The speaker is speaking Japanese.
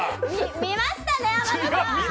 見ましたね天野さん。